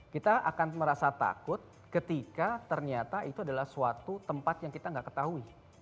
kita akan merasa takut ketika ternyata itu adalah suatu tempat yang kita nggak ketahui